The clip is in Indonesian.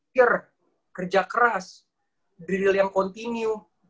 pure kerja keras drill yang continue